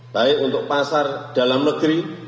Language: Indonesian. baik untuk pasar dalam negeri